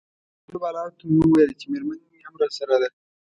هوټل والاو ته مې وویل چي میرمن مي هم راسره ده.